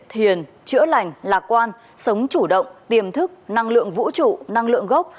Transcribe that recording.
thiền chữa lành lạc quan sống chủ động tiềm thức năng lượng vũ trụ năng lượng gốc